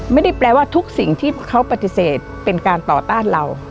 ไม่ได้แปลว่าทุกสิ่งที่เขาปฏิเสธเป็นการต่อต้านเรา